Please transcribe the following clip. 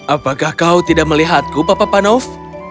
apakah kau tidak melihatku bapak panov